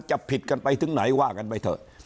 ผิดกันไปถึงไหนว่ากันไปเถอะ